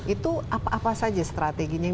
itu apa saja strateginya yang